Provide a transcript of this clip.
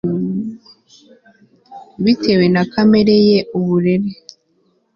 bitewe na kamere ye, uburere